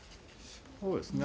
そうですね。